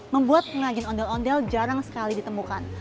membuat pengrajin ondel ondel jarang sekali ditemukan